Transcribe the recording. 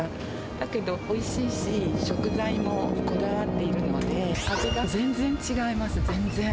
だけど、おいしいし、食材もこだわっているので、味が全然違います、全然。